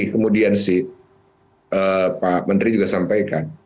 jadi kemudian si pak menteri juga sampaikan